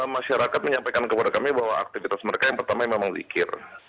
masyarakat menyampaikan kepada kami bahwa aktivitas mereka yang pertama memang zikir